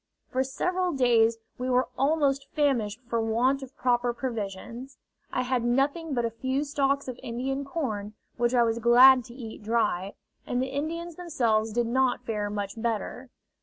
For several days we were almost famished for want of proper provisions: I had nothing but a few stalks of Indian corn, which I was glad to eat dry, and the Indians themselves did not fare much better.